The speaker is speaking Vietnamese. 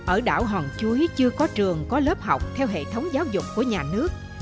ở đảo hòn chuối chưa có trường có lớp học theo hệ thống giáo dục của nhà nước